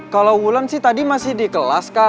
kalau wulan sih tadi masih di kelas kak